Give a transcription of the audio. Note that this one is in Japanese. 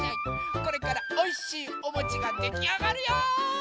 これからおいしいおもちができあがるよ！